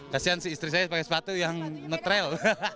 kasian si istri saya pakai sepatu yang ngetrel